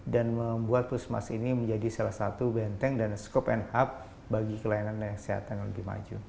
dan membuat puskesmas ini menjadi salah satu benteng dan scope and hub bagi kelainan yang sehat dan lebih maju